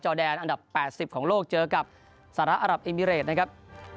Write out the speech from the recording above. จอดแดนอันดับแปดสิบของโลกเจอกับสาระอรับอิมิเรตนะครับ